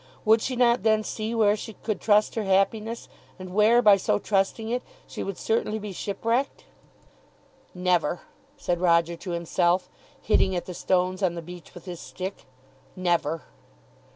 Would she not then see where she could trust her happiness, and where, by so trusting it, she would certainly be shipwrecked! "Never," said Roger to himself, hitting at the stones on the beach with his stick. "Never."